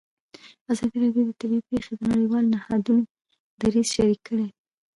ازادي راډیو د طبیعي پېښې د نړیوالو نهادونو دریځ شریک کړی.